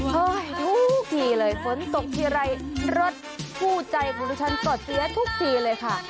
เฮ้ยทุกทีเลยฝนตกทีไรรถผู้ใจมนุษย์ฉันตอบเสียทุกทีเลยค่ะ